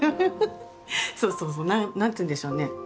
そうそうそう何て言うんでしょうね。